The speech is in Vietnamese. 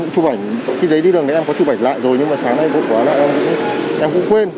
cái giấy đi đường đấy em có chụp ảnh lại rồi nhưng mà sáng nay vô tỏa lại em cũng quên